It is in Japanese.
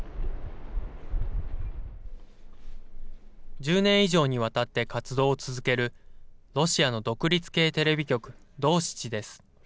１０年以上にわたって活動を続けるロシアの独立系テレビ局、ドーシチです。